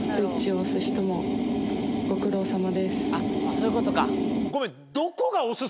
そういうことか。ごめん。